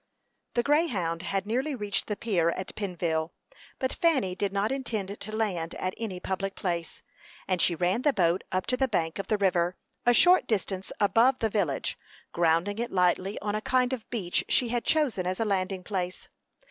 The Greyhound had nearly reached the pier at Pennville; but Fanny did not intend to land at any public place, and she ran the boat up to the bank of the river, a short distance above the village, grounding it lightly on a kind of beach she had chosen as a landing place.